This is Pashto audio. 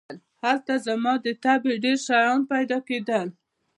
هلته زما د طبعې ډېر شیان پیدا کېدل.